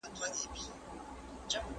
ادبیاتو پوهنځۍ په غلطه توګه نه تشریح کیږي.